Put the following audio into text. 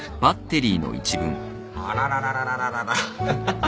あらららららららら。